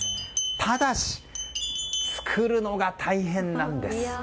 ただし、作るのが大変なんです。